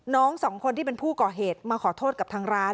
น้องสองคนที่เป็นผู้ก่อเหตุมาขอโทษกับทางร้าน